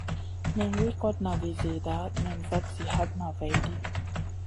Nen wi kotna vi zida nen vat zi hatna vaidi.